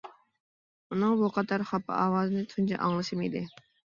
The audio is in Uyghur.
ئۇنىڭ بۇ قەدەر خاپا ئاۋازىنى تۇنجى ئاڭلىشىم ئىدى.